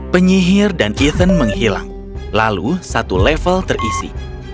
penyihir dan ethan menghilang lalu satu level terisi